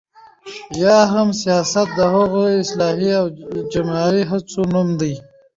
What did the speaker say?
یا هم سياست د هغو اصلاحي او جمعي هڅو نوم دی،